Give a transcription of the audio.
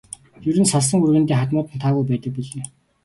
Ер нь салсан хүргэндээ хадмууд нь таагүй байдаг билээ.